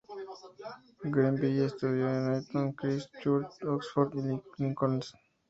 Grenville estudió en Eton, Christ Church, Oxford, y Lincoln's Inn.